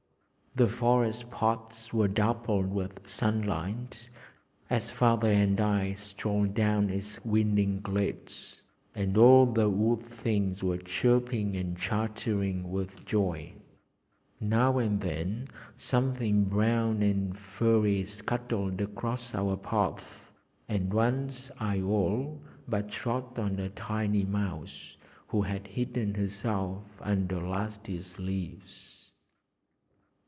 The forest paths were dappled with sunlight as Father and I strolled down its winding glades, and all the wood things were chirping and chattering with joy. Now and then something brown and furry scuttled across our path, and once I all but trod on a tiny mouse, who had hidden herself under last year's leaves.